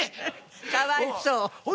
かわいそう！